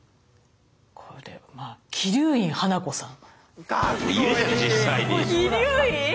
これまあ鬼龍院花子さん。